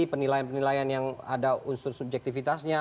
penilaian penilaian yang ada unsur subjektivitasnya